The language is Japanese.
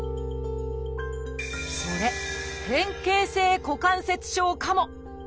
それ「変形性股関節症」かも。